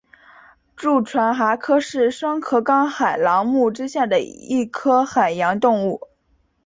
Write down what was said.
蛀船蛤科是双壳纲海螂目之下的一科海洋动物。